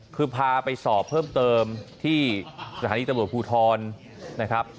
คือพาไปสอบเพิ่มเติมที่สถานีตำรวจภูทรนะครับ